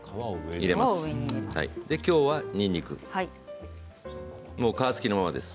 きょうはにんにく、皮付きのままです。